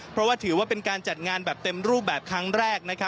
เพราะว่าถือว่าเป็นการจัดงานแบบเต็มรูปแบบครั้งแรก